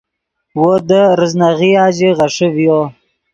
وو دے ریزناغیا ژے غیݰے ڤیو